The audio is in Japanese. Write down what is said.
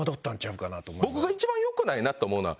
僕が一番良くないなって思うのは。